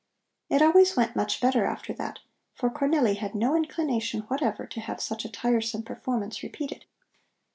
It always went much better after that, for Cornelli had no inclination whatever to have such a tiresome performance repeated.